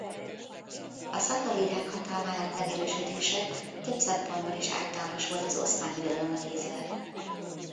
A Szafavidák hatalmának megerősödése több szempontból is ártalmas volt az Oszmán Birodalomra nézve.